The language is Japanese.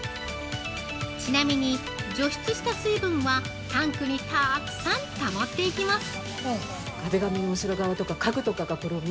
◆ちなみに、除湿した水分はタンクに、たくさんたまっていきます。